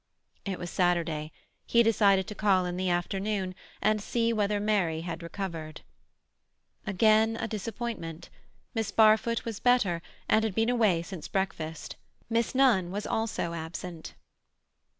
It was Saturday. He decided to call in the afternoon and see whether Mary had recovered. Again a disappointment. Miss Barfoot was better, and had been away since breakfast; Miss Nunn was also absent.